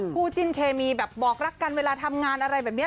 คู่จิ้นเคมีแบบบอกรักกันเวลาทำงานอะไรแบบนี้